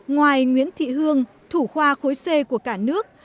ngoài nguyễn thị hương thủ khoa khối c của cả nước